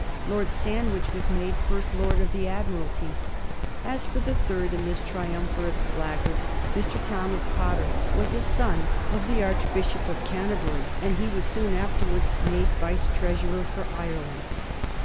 Lord Sandwich was made First Lord of the Admiralty. As for the third in this triumvirate of blackguards, Mr. Thomas Potter was a son of the Archbishop of Canterbury, and he was soon afterwards made Vice Treasurer for Ireland.